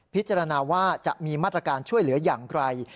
พิจารณาว่าจะมีมาตรการช่วยเหลืออย่างไกล